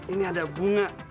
ini ada bunga